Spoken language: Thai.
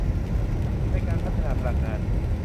ในการพัฒนาพลังงาน